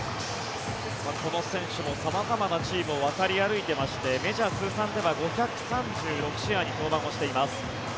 この選手も様々なチームを渡り歩いていましてメジャー通算では５３６試合に登板をしています。